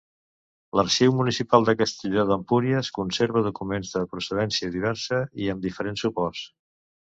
L'Arxiu Municipal de Castelló d'Empúries conserva documents de procedència diversa i amb diferents suports.